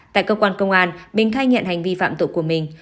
tại cơ quan công an bình khai nhận hành vi phạm tội của mình